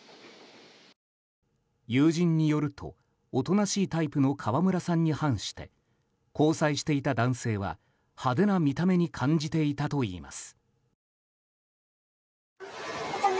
友人によるとおとなしいタイプの川村さんに反して交際していた男性は派手な見た目に感じていたといいます。